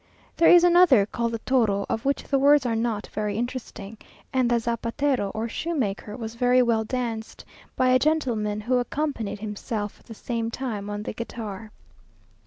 There is another called the Toro, of which the words are not very interesting; and the Zapatero, or shoemaker, was very well danced by a gentleman who accompanied himself, at the same time, on the guitar.